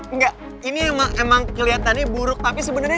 enggak ini emang keliatannya buruk tapi sebenernya